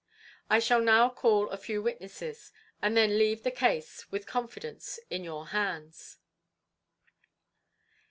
I shall now call a few witnesses, and then leave the case, with confidence, in your hands."